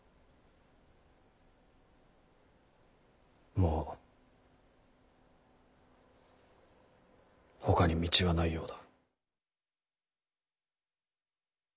もうほかに道はないようだ。